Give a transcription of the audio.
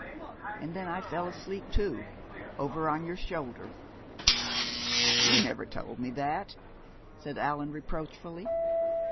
And then I fell asleep, too, over on your shoulder." "You never told me that," said Allan reproachfully.